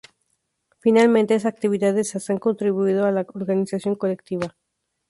Finalmente estas actividades ha contribuido a la organización colectiva.